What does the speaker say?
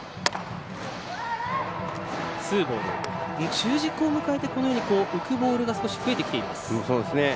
中軸を迎えて浮くボールが少し増えてきています。